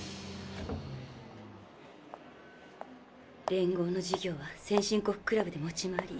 連合の事業は先進国クラブで持ち回り。